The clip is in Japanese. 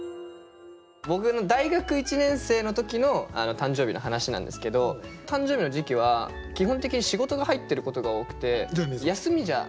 僕の大学１年生の時の誕生日の話なんですけど誕生日の時期は基本的に仕事が入ってることが多くて休みじゃなかったんですよ。